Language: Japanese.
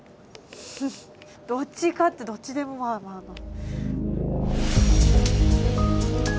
どっちかってどっちでもまあまあまあ。